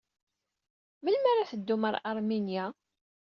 Melmi ara teddum ɣer Aṛminya?